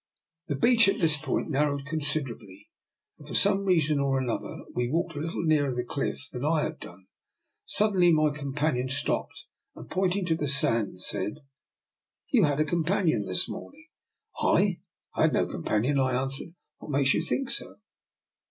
The beach at this point narrowed considerably, and for some reason or another we walked a little nearer the cliff than I had done. Suddenly my companion stopped, and, pointing to the sand, said: —" You had a companion this morning? " I? I had no companion," I answered. What makes you think so?